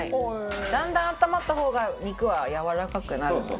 だんだん温まった方が肉はやわらかくなるので。